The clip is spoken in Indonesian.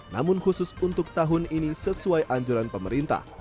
namun khusus untuk tahun ini sesuai anjuran pemerintah